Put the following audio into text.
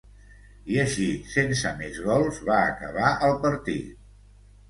I així, sense més gols, va acabar el partit.